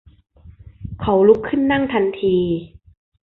เขาลุกขึ้นนั่งทันที